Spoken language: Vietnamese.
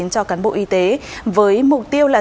cho cán bộ y tế với mục tiêu là